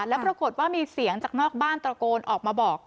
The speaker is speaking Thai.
แล้วปรากฏว่ามีเสียงจากนอกบ้านตระโกนออกมาบอก